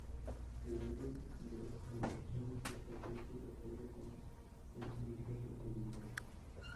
El orden de elección se establece de acuerdo con el siguiente procedimiento